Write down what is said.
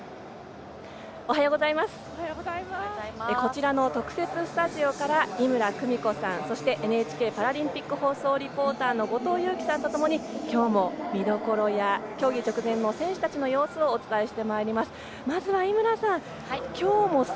こちらの特設スタジオから井村久美子さん、そしてＮＨＫパラリンピック放送リポーターの後藤佑季さんとともに今日も見どころや競技直前の選手たちの様子をお伝えしてまいります。